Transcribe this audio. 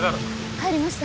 入りました！